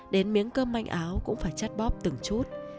đến miếng cơm manh áo cũng phải chắt bóp từng chút